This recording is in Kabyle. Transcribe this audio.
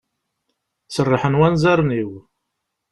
Serrḥen wanzaren-iw.